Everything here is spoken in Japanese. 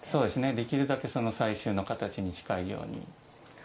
できるだけ最終の形に近いように。